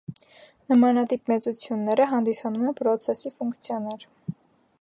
Նմանատիպ մեծությունները հանդիսանում են պրոցեսի ֆունկցիաներ։